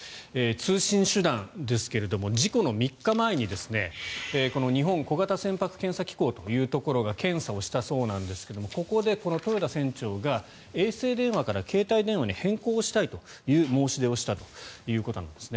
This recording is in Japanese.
通信手段ですが事故の３日前にこの日本小型船舶検査機構というところが検査をしたそうなんですがここで豊田船長が衛星電話から携帯電話に変更したいという申し出をしたということです。